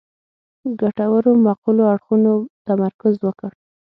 ګټورو معقولو اړخونو تمرکز وکړو.